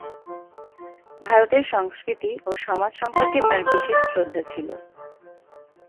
ভারতের সংস্কৃতি ও সমাজ সম্পর্কে তার বিশেষ শ্রদ্ধা ছিল।